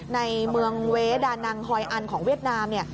ในเมืองเวดานังฮอยอันของเวียดนามเนี่ย